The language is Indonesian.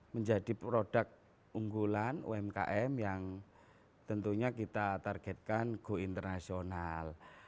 menjadi produk unggulan umkm yang tentunya kita targetkan go internasional